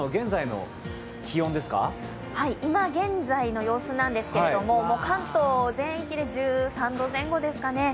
今現在の様子なんですけど、関東全域で１３度前後ですかね。